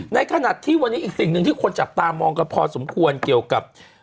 ในขณะที่วันนี้อีกสิ่งหนึ่งที่คนจับตามองกันพอสมควรเกี่ยวกับ